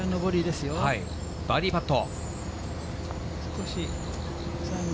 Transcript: バーディーパット。